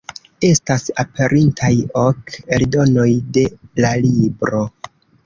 Estas aperintaj ok eldonoj de la libro.